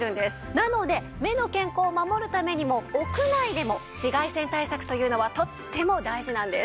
なので目の健康を守るためにも屋内でも紫外線対策というのはとっても大事なんです。